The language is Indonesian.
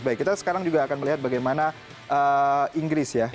baik kita sekarang juga akan melihat bagaimana inggris ya